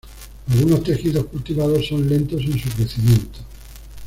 Algunos tejidos cultivados son lentos en su crecimiento.